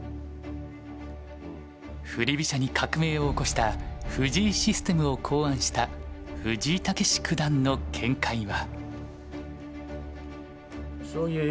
振り飛車に革命を起こした藤井システムを考案した藤井猛九段の見解は？